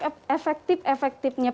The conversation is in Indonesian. itu adalah pengalaman yang sangat penting